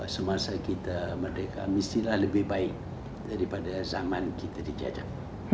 semasa kita merdeka mestilah lebih baik daripada zaman kita dijajak